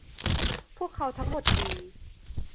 พวกเขาทั้งหมดดี